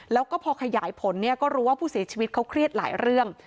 แล้วก็พอขยายผลเนี่ยก็รู้ว่าผู้เสียชีวิตเขาเครียดหลายเรื่อง